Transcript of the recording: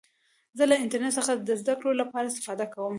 زه له انټرنټ څخه د زدهکړي له پاره استفاده کوم.